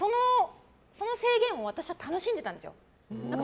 その制限を私は楽しんでたんですよ。